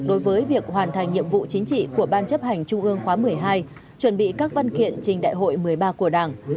đối với việc hoàn thành nhiệm vụ chính trị của ban chấp hành trung ương khóa một mươi hai chuẩn bị các văn kiện trình đại hội một mươi ba của đảng